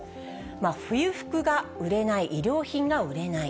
冬服が売れない、衣料品が売れない。